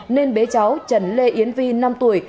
nên bé cháu trần lê yến vi năm tuổi